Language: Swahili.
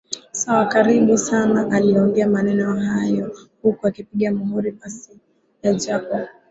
sawa karibu sanaaliongea maneno hayo huku akipiga muhuri pasi ya Jacob